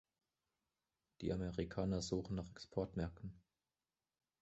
Die Amerikaner suchen nach Exportmärkten.